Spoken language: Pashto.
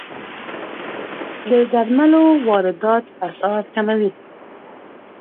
د درملو واردات اسعار کموي.